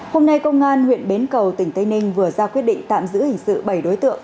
hôm nay công an huyện bến cầu tỉnh tây ninh vừa ra quyết định tạm giữ hình sự bảy đối tượng